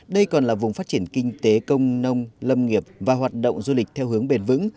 đây còn là vùng phát triển kinh tế công nông lâm nghiệp và hoạt động du lịch theo hướng bền vững